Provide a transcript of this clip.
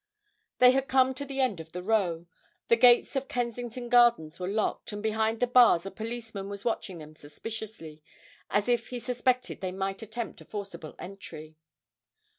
They had come to the end of the Row; the gates of Kensington Gardens were locked, and behind the bars a policeman was watching them suspiciously, as if he suspected they might attempt a forcible entry.